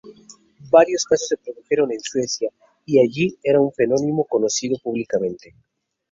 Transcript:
Varios casos se produjeron en Suecia, y allí era un fenómeno conocido públicamente.